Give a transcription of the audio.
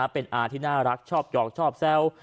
เป็นอาที่น่ารักชอบหยอกชอบแซว